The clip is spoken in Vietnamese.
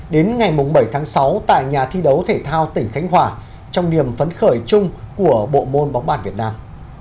đây là thi đấu thể thao tỉnh khánh hòa trong niềm phấn khởi chung của bộ môn bóng bàn việt nam